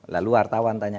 lalu wartawan tanya